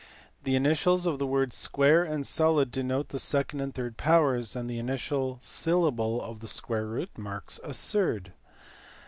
The initials of the words square and solid denote the second and third powers, and the initial syllable of square root marks a surd.